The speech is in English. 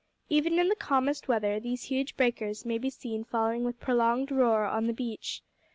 Even in the calmest weather these huge breakers may be seen falling with prolonged roar on the beach.